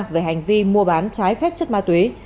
về hành vi mua bán trái phép chất ma túy